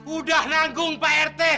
udah nanggung pak rt